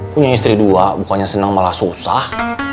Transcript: punya istri dua bukannya senang malah susah